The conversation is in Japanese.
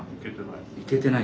行けてない？